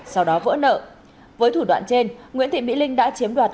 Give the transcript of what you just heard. sau đó vỡ nợ với thủ đoạn trên nguyễn thị mỹ linh đã chiếm đoạt